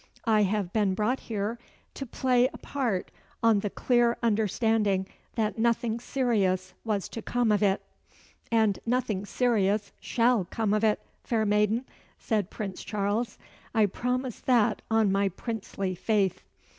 I have been brought here to play a part, on the clear understanding that nothing serious was to come of it." "And nothing serious shall come of it, fair maiden," said Prince Charles. "I promise that on my princely faith."